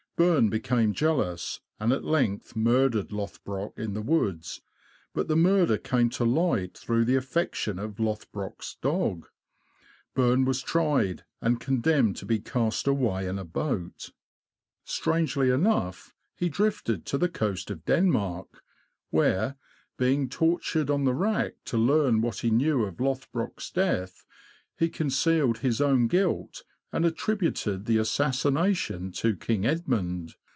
Bern became jealous, and at length murdered Lothbrock in the woods; but the murder came to light through the affection of Lothbrock's dog. Bern was tried, and condemned to be cast away in a boat. Strangely enough, he drifted to the coast of Denmark, where, being tortured on the rack, to learn what he knew of Lothbrock's death, he concealed his own guilt, and attributed the assassination to King Edmund.